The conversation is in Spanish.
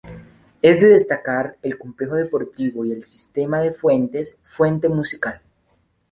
Es de destacar el complejo deportivo y el sistema de fuentes "Fuente Musical".